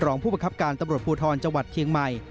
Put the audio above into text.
รองผู้ประคับการตำรวจภูทรจังหวัดเชียงใหม่